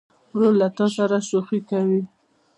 ورور له تا سره شوخي کوي.